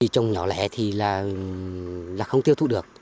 trông nhỏ lẻ thì là không tiêu thụ được